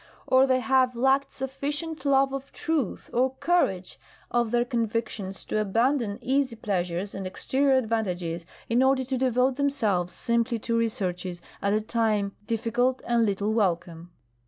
Or they have lacked sufficient love of truth or courage of their convictions to abandon easy pleasures and exterior advantages in order to devote themselves simply to researches at the time difficult and little welcome.